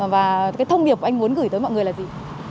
và cái thông điệp của anh muốn gửi tới mọi người là gì